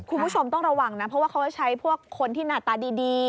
คุณผู้ชมต้องระวังนะเพราะว่าเขาจะใช้พวกคนที่หน้าตาดี